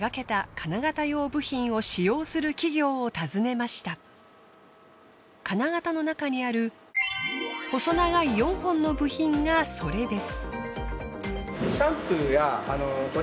金型の中にある細長い４本の部品がそれです。